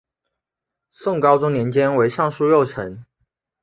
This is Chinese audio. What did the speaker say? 宋高宗年间为尚书右丞。